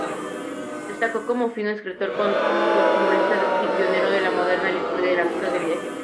Destacó como fino escritor costumbrista y pionero de la moderna literatura de viajes.